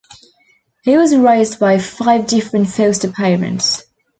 He was raised by five different foster parents.